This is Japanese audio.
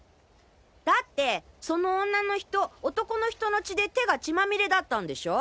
だってその女の人男の人の血で手が血まみれだったんでしょう？